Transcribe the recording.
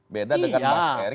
beda dengan mas erik